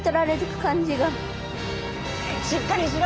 しっかりしろ！